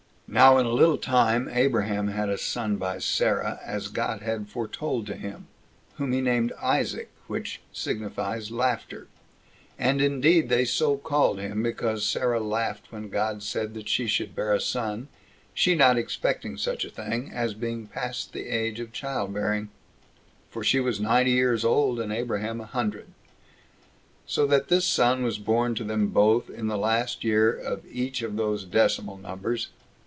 2. Now in a little time Abraham had a son by Sarah, as God had foretold to him, whom he named Isaac, which signifies Laughter. And indeed they so called him, because Sarah laughed when God 25 said that she should bear a son, she not expecting such a thing, as being past the age of child bearing, for she was ninety years old, and Abraham a hundred; so that this son was born to them both in the last year of each of those decimal numbers.